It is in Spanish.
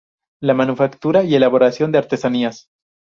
La manufactura y elaboración de artesanías.